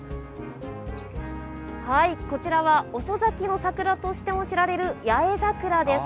こちらは、遅咲きの桜としても知られる八重桜です。